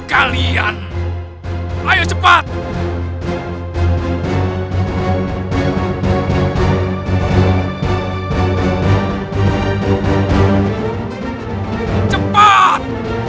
kau mungkin kasih tanpa beban